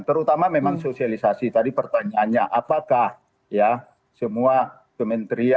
terutama memang sosialisasi tadi pertanyaannya apakah ya semua kementerian